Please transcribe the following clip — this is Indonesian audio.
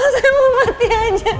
saya ingin mati saja